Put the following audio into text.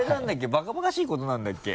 バカバカしいことなんだっけ？